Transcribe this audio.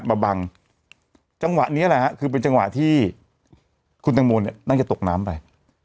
มาบังจังหวะนี้แหละฮะคือเป็นจังหวะที่คุณตังโมเนี่ยน่าจะตกน้ำไป